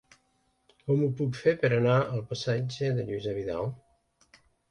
Com ho puc fer per anar al passatge de Lluïsa Vidal?